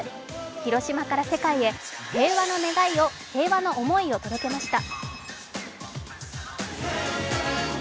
広島から世界へ平和の思いを届けました。